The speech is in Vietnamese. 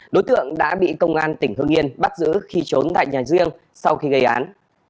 đối tượng đã bị công an tỉnh hương yên bắt giữ khi trốn tại nhà riêng sau khi gây án